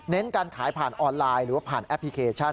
การขายผ่านออนไลน์หรือว่าผ่านแอปพลิเคชัน